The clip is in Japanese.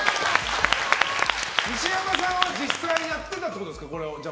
西山さんは実際にやってたってことですか？